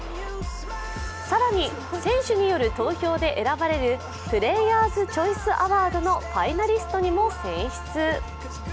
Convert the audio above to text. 更に選手による投票で選ばれるプレーヤーズ・チョイス・アワードのファイナリストにも選出。